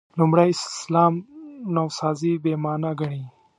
لومړي اسلام نوسازي «بې معنا» ګڼي.